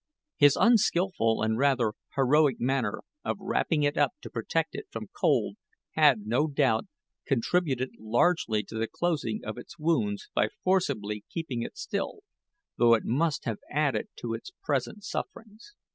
His unskillful and rather heroic manner of wrapping it up to protect it from cold had, no doubt, contributed largely to the closing of its wounds by forcibly keeping it still, though it must have added to its present sufferings.